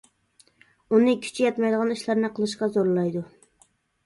ئۇنى كۈچى يەتمەيدىغان ئىشلارنى قىلىشقا زورلايدۇ.